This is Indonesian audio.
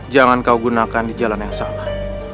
jangan kau gunakan di jalan yang salah